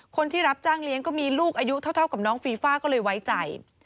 คนที่รับจ้างเลี้ยงก็มีลูกอายุเท่ากับน้องฟีฟ่าก็เลยไว้ใจ